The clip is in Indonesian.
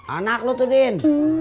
anak lu tuh din